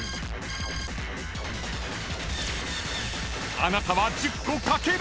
［あなたは１０個書ける⁉］